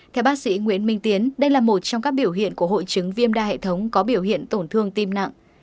theo bác sĩ nguyễn minh tiến đây là một trong các biểu hiện của hội chứng viêm đa hệ thống có biểu hiện tổn thương tim nặng